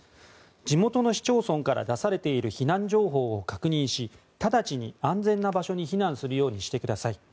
地元の市町村から出されている避難情報を確認し直ちに安全な場所に避難するようにしてください。